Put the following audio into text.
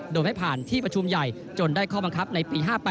โดยไม่ผ่านที่ประชุมใหญ่จนได้ข้อบังคับในปี๕๘